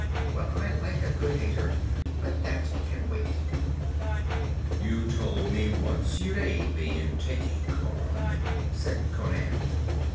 Well, I like a good hater. But that can wait.' 'You told me once you'd aid me in taking Khauran,' said Conan.